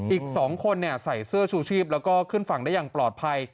อีก๒คนใส่เสื้อชูชีพแล้วก็ขึ้นฝั่งได้อย่างปลอดภัย